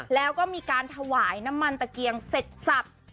แล้วก็มีการถวายน้ำมันตะเกียงเสร็จสับ